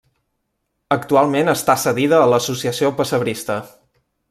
Actualment està cedida a l'Associació Pessebrista.